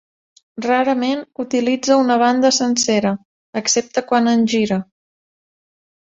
Rarament utilitza una banda sencera, excepte quan en gira.